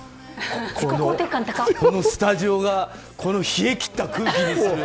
このスタジオが冷え切った空気です。